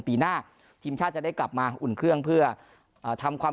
ปีหน้าทีมชาติจะได้กลับมาอุ่นเครื่องเพื่อทำความ